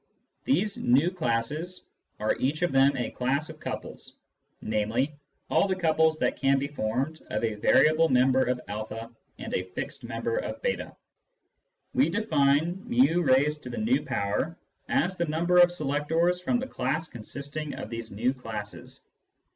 These v classes are each of them a class of couples, namely, all the couples that can be formed of a variable member of a and a fixed member of j8. We define jtt" as the number of selectors from the class consisting of these v classes.